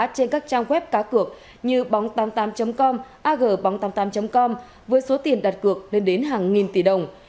trên các trang web cá cược như bóng tám mươi tám com ag bóng tám mươi tám com với số tiền đặt cược lên đến hàng nghìn tỷ đồng